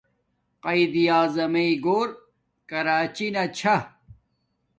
قایداعظم مݵ گھور کراچی نا چھا